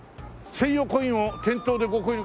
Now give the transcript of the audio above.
「専用コインを店頭でご購入」。